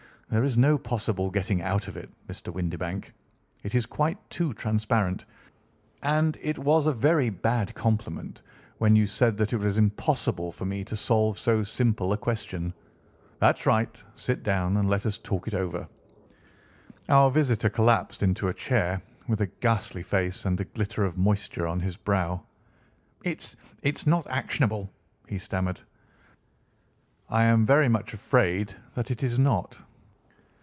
"There is no possible getting out of it, Mr. Windibank. It is quite too transparent, and it was a very bad compliment when you said that it was impossible for me to solve so simple a question. That's right! Sit down and let us talk it over." Our visitor collapsed into a chair, with a ghastly face and a glitter of moisture on his brow. "It—it's not actionable," he stammered. "I am very much afraid that it is not.